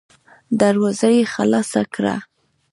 دروازه يې خلاصه کړه.